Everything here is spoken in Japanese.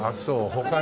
他に。